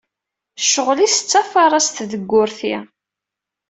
Ccɣel-is d tafarast deg urti.